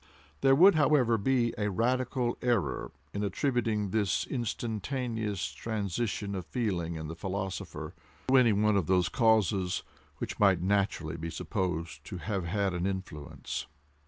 There would however be a radical error in attributing this instantaneous transition of feeling in the philosopher, to any one of those causes which might naturally be supposed to have had an influence.